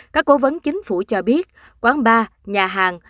các cố vấn chính phủ cho biết quán bar nhà hàng